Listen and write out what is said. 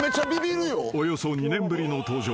［およそ２年ぶりの登場。